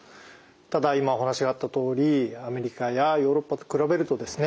ただ今お話があったとおりアメリカやヨーロッパと比べるとですね